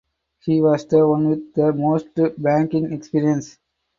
He was the one with the most banking experience.